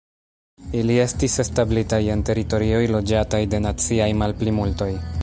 Ili estis establitaj en teritorioj, loĝataj de naciaj malplimultoj.